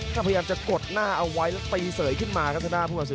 ก็พยายามจะกดหน้าเอาไว้แล้วตีเสยขึ้นมาครับทะดานมงคล